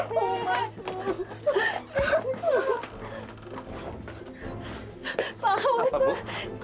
ya allah siti